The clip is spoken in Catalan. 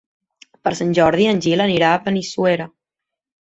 Per Sant Jordi en Gil anirà a Benissuera.